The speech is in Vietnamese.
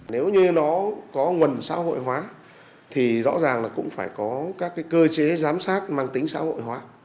nếu như nó có nguồn xã hội hóa thì rõ ràng là cũng phải có các cơ chế giám sát mang tính xã hội hóa